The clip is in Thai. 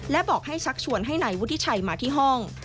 และบอกให้ชักชวนให้นายวุฒิชัยมาที่ห้อง